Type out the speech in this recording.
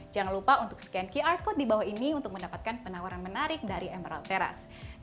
jangan lupa untuk scan qr code di bawah ini untuk mendapatkan penawaran menarik dari emerald terrace